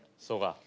そうか。